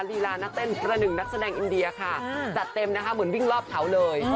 ลีลานักเต้นประหนึ่งนักแสดงอินเดียค่ะจัดเต็มนะคะเหมือนวิ่งรอบเขาเลย